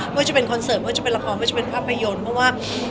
ว่าจะเป็นคอนเสิร์ตไม่ว่าจะเป็นละครไม่จะเป็นภาพยนตร์เพราะว่า